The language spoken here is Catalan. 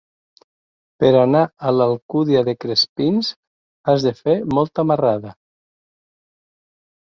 Per anar a l'Alcúdia de Crespins has de fer molta marrada.